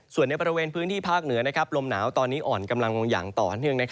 ส่วนในบริเวณพื้นที่ภาคเหนือลมหนาวตอนนี้อ่อนกำลังลงอย่างต่อเนื่อง